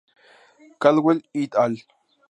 Caldwell "et al".